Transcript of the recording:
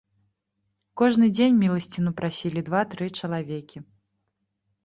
Кожны дзень міласціну прасілі два-тры чалавекі.